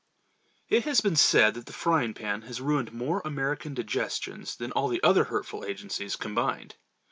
IT has been said that the frying pan has ruined more American digestions than all the other hurtful agencies combined.